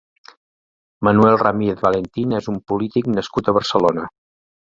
Manuel Ramírez Valentín és un polític nascut a Barcelona.